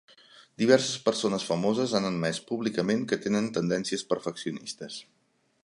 Diverses persones famoses han admès públicament que tenen tendències perfeccionistes.